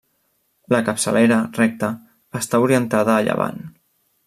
La capçalera, recta, està orientada a llevant.